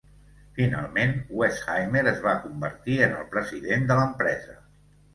Finalment, Westheimer es va convertir en el president de l'empresa.